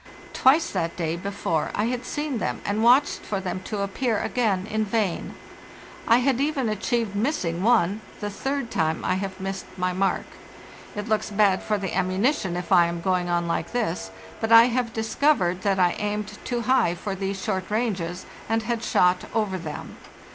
Twice that day before I had seen them: and watched for them to appear again in vain. | had even achieved missing one—the third time I have missed my mark. It looks bad for the ammunition if I am going on like this, but I have discovered that I aimed too high for these short ranges, and had shot over them.